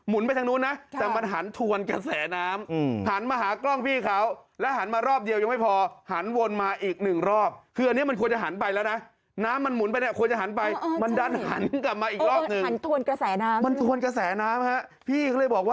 ไม่เป็นแบบนั้นเออเป็นแบบนั้นเออ